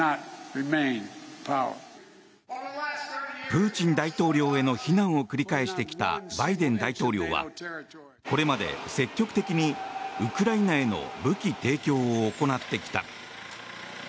プーチン大統領への非難を繰り返してきたバイデン大統領はこれまで積極的にウクライナへの武器提供を行ってきた。